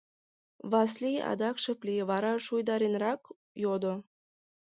Васлий адак шып лие, вара шуйдаренрак йодо: